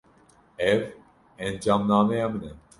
Ev encamnameya min e.